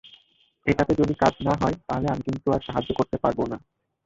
এটাতে যদি কাজ না হয়, তাহলে কিন্তু আমি আর সাহায্য করতে পারবো না।